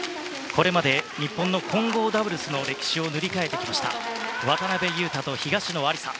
これまで日本の混合ダブルスの歴史を塗り替えてきました渡辺勇大と東野有紗。